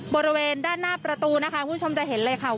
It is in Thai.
บริเวณด้านหน้าประตูนะคะคุณผู้ชมจะเห็นเลยค่ะ